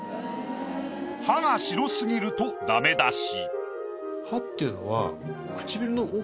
歯が白すぎるとダメ出し。